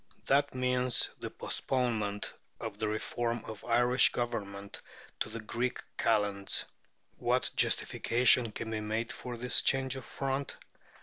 That means the postponement of the reform of Irish Government to the Greek Kalends. What justification can be made for this change of front?